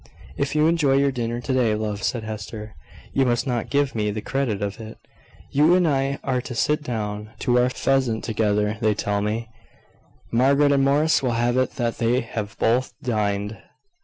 "If you enjoy your dinner to day, love," said Hester, "you must not give me the credit of it. You and I are to sit down to our pheasant together, they tell me. Margaret and Morris will have it that they have both dined."